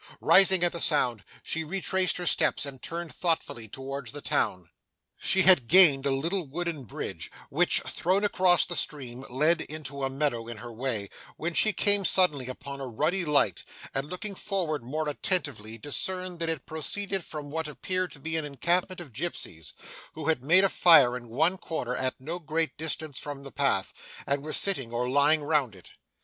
Rising at the sound, she retraced her steps, and turned thoughtfully towards the town. She had gained a little wooden bridge, which, thrown across the stream, led into a meadow in her way, when she came suddenly upon a ruddy light, and looking forward more attentively, discerned that it proceeded from what appeared to be an encampment of gipsies, who had made a fire in one corner at no great distance from the path, and were sitting or lying round it.